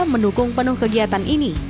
mendukung penuh kegiatan ini